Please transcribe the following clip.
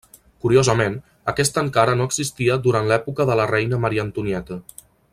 Curiosament, aquest encara no existia durant l'època de la reina Maria Antonieta.